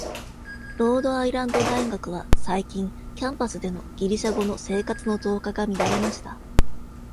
ロードアイランド大学は最近、キャンパスでの「ギリシャ語」の生活の増加が見られました。